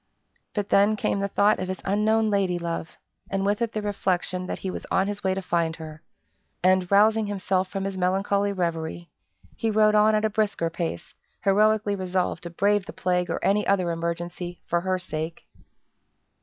But then came the thought of his unknown lady love, and with it the reflection that he was on his way to find her; and, rousing himself from his melancholy reverie, he rode on at a brisker pace, heroically resolved to brave the plague or any other emergency, for her sake.